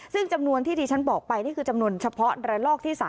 ซึ่งจำนวนที่ที่ฉันบอกไปนี่คือจำนวนเฉพาะระลอกที่๓